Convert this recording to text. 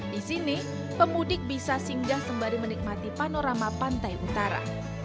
di sini pemudik bisa singgah sembari menikmati panorama pantai utara